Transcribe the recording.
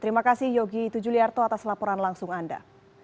terima kasih yogi tujuliarto atas laporan langsung anda